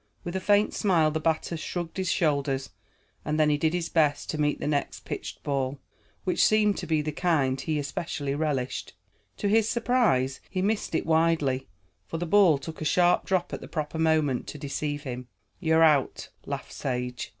With a faint smile, the batter shrugged his shoulders, and then he did his best to meet the next pitched ball, which seemed to be the kind he especially relished. To his surprise, he missed it widely, for the ball took a sharp drop at the proper moment to deceive him. "You're out," laughed Sage.